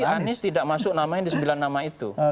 anies tidak masuk namanya di sembilan nama itu